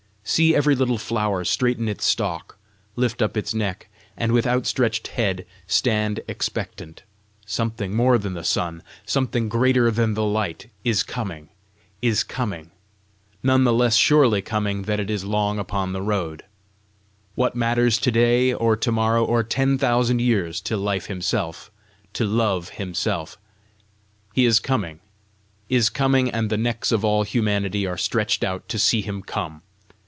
See every little flower straighten its stalk, lift up its neck, and with outstretched head stand expectant: something more than the sun, greater than the light, is coming, is coming none the less surely coming that it is long upon the road! What matters to day, or to morrow, or ten thousand years to Life himself, to Love himself! He is coming, is coming, and the necks of all humanity are stretched out to see him come!